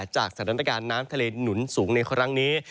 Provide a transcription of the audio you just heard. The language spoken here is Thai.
จากสถานการณ์น้ำทะเลหนุนสูงในครั้งนี้